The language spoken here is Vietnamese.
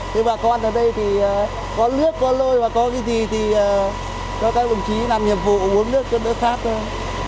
thế bà con ở đây thì có nước có lôi và có cái gì thì cho các lòng trí làm nhiệm vụ uống nước cho nước khác thôi